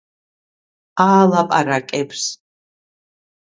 აალაპარაკებს